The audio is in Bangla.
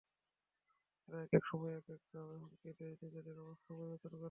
এরা একেক সময় একেক নামে হুমকি দেয়, নিজেদের অবস্থানও পরিবর্তন করেন।